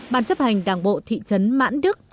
bản chấp hành đảng bộ thị trấn mãn đức